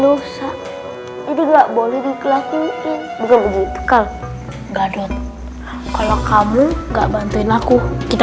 dosa jadi nggak boleh dikelakuin bukan begitu kalau gadot kalau kamu nggak bantuin aku kita